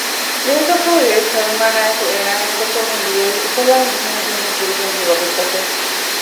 ރެއަކަށްފަހު ރެޔެއް ސަލްމާނާއެކު އޭނާ ހޭދަކުރަމުން ދިޔައީ އުފަލާއި ހިތްހަމަޖެހުމުން ފުރިގެންވީ ވަގުތުތަކެއް